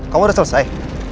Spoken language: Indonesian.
kamu udah selesai